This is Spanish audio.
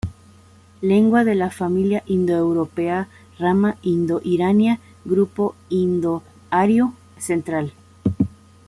Lengua de la familia indoeuropea, rama indo-irania, grupo indo-ario central.